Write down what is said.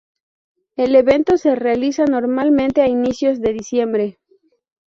El evento se realiza normalmente a inicios de diciembre.